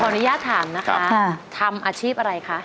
อนุญาตถามนะคะทำอาชีพอะไรคะ